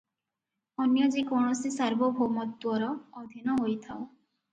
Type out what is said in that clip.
ଅନ୍ୟ ଯେ କୌଣସି ସାର୍ବଭୌମତ୍ତ୍ୱର ଅଧୀନ ହୋଇଥାଉ ।